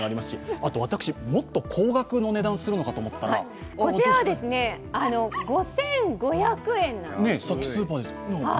あと、私、もっと高額の値段するのかと思ったらこちらは５５００円なんです。